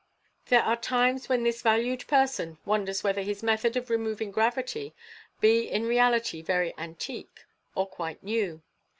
"There are times when this valued person wonders whether his method of removing gravity be in reality very antique or quite new.